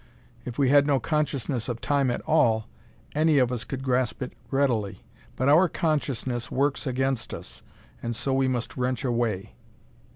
If we had no consciousness of Time at all, any of us could grasp it readily. But our consciousness works against us, and so we must wrench away.